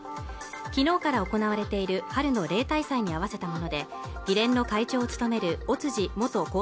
きのうから行われている春の例大祭に合わせたもので議連の会長を務める尾辻元厚